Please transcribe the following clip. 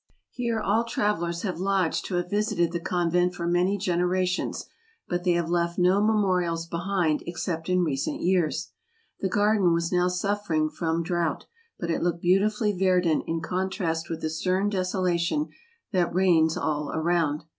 Here all travellers have lodged who have visited the convent for many generations, but they have left no memorials behind except in recent years. ... The garden was now suffering from drought, but it looked beautifully verdant in con¬ trast with the stern desolation that reigns all around.